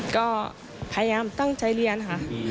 ก็พยายามตั้งใจเรียนค่ะ